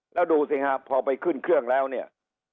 แล้วดูสิฮะพอไปขึ้นเครื่องแล้วเนี่ย